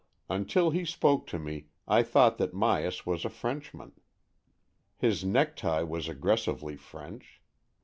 Until he spoke to me, I thought that Myas was a Frenchman. His necktie was aggres sively French.